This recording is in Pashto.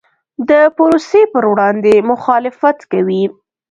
د پروسې پر وړاندې مخالفت کوي.